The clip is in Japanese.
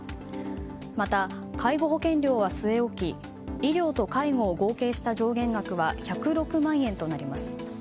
また介護保険料は据え置き医療と介護を合計した上限額は１０６万円となります。